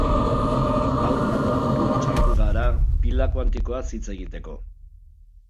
Gaur, nanomunduan sartu gara pila kuantikoaz hitz egiteko.